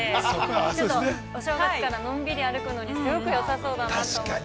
ちょっと、お正月からのんびり歩くのにすごくよさそうだなと思って。